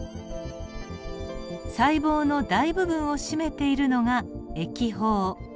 細胞の大部分を占めているのが液胞。